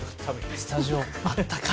スタジオ、あったかい。